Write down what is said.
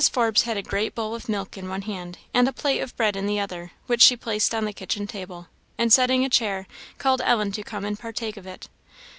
Forbes had a great bowl of milk in one hand, and a plate of bread in the other, which she placed on the kitchen table, and setting a chair, called Ellen to come and partake of it.